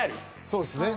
そうっすね。